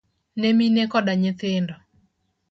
ne mine koda nyithindo.